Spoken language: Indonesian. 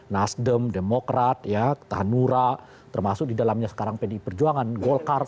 nasdem demokrat ya tahanura termasuk di dalamnya sekarang pdi perjuangan golkar